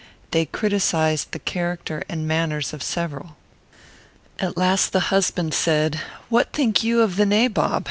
They criticized the character and manners of several. At last the husband said, "What think you of the nabob?